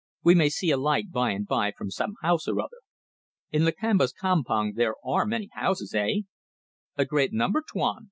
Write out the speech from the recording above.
We may see a light by and by from some house or other. In Lakamba's campong there are many houses? Hey?" "A great number, Tuan